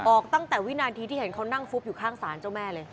ออกตั้งแต่วินาทีที่เห็นเขานั่งฟุบอยู่ข้างศาลเจ้าแม่เลย